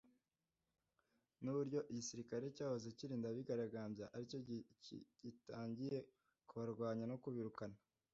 ni uburyo igisirikare cyahoze kirinda abigaragambya aricyo gitangiye kubarwanya no kubirukana